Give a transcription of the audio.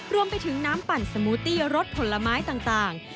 รวมไปถึงน้ำปั่นสมูตี้รสผลไม้ต่าง